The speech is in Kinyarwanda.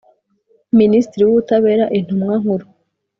Minisitiri w Ubutabera Intumwa Nkuru